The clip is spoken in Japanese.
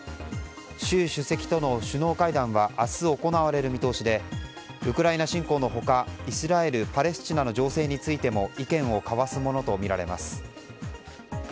習主席との首脳会談は明日行われる見通しでウクライナ侵攻の他イスラエル、パレスチナの情勢についても意見を交わすものとみられます。